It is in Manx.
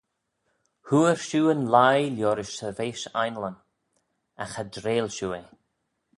Hooar shiu yn leigh liorish shirveish ainleyn, agh cha dreill shiu eh.